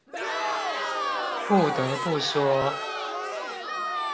不得不說